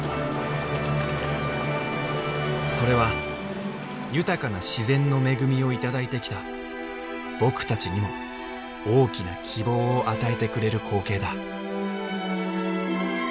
それは豊かな自然の恵みを頂いてきた僕たちにも大きな希望を与えてくれる光景だ。